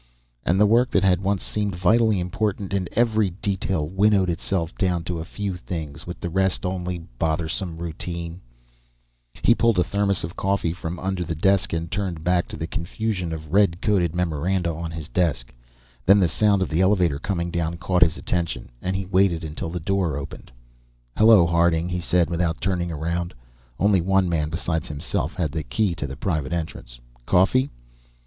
And the work that had once seemed vitally important in every detail winnowed itself down to a few things, with the rest only bothersome routine. He pulled a thermos of coffee from under the desk and turned back to the confusion of red coded memoranda on his desk. Then the sound of the elevator coming down caught his attention, and he waited until the door opened. "Hello, Harding," he said without turning around. Only one man beside himself had the key to the private entrance. "Coffee?"